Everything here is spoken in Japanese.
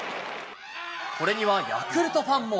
これにはヤクルトファンも。